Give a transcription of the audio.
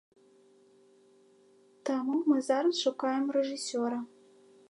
Таму мы зараз шукаем рэжысёра.